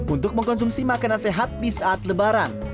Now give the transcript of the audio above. untuk mengkonsumsi makanan sehat di saat lebaran